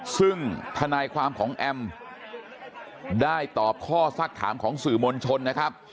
ซึ่งทนายความของแอมได้ตอบข้อสักถามของสื่อมวลชนนะครับ